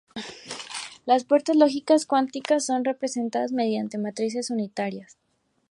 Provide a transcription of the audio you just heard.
Las puertas lógicas cuánticas son representadas mediante matrices unitarias.